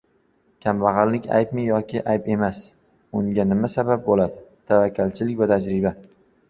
Kambag‘allik aybmi yoki ayb emas? Unga nima sabab bo‘ladi? Tavakkalchilik va tajriba